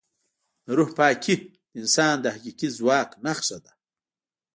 د روح پاکي د انسان د حقیقي ځواک نښه ده.